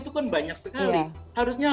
itu kan banyak sekali harusnya